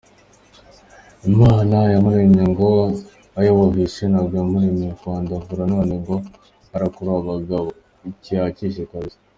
Imana yamuremye ngo ayubahishe ,ntabwo yamuremeye kwandavura, none ngo arakurura abagabo !!? Icyo yakishe kabisa.